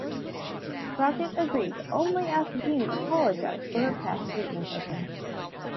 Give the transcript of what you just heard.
Crockett agreed only after Jean apologized for her past treatment of him.